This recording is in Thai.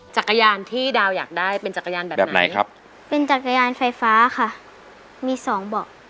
จักรยานที่ดาวอยากได้เป็นจักรยานแบบไหนครับเป็นจักรยานไฟฟ้าค่ะมีสองเบาะ